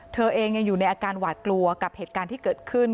เธอเองยังอยู่ในอาการหวาดกลัวกับเหตุการณ์ที่เกิดขึ้น